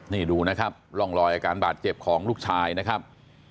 นี่ดูนะครับร่องรอยอาการบาดเจ็บของลูกชายนะครับ